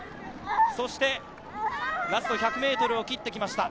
そしてラスト１００ｍを切ってきました。